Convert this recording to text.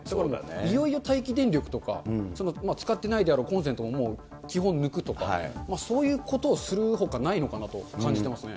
いよいよ待機電力とか、使ってないだろうコンセントももう基本抜くとか、そういうことをするほかないのかなと感じてますね。